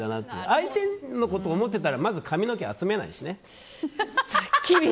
相手のことを思ってたらまず髪の毛集めないしね。